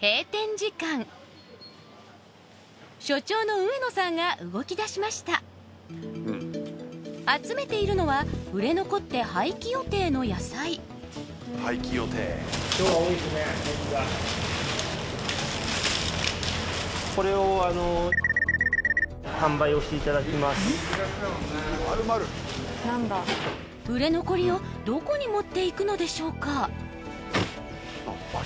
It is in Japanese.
所長の上野さんが動きだしました集めているのは売れ残って販売をしていただきます売れ残りをどこに持っていくのでしょうか？